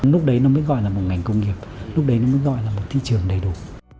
lúc đấy nó mới gọi là một ngành công nghiệp lúc đấy nó mới gọi là một thị trường đầy đủ